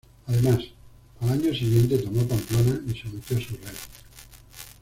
Además, al año siguiente tomó Pamplona y sometió a su rey.